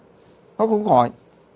nó không khỏi